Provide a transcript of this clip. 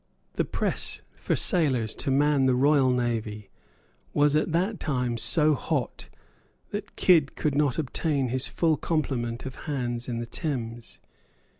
The press for sailors to man the royal navy was at that time so hot that Kidd could not obtain his full complement of hands in the Thames.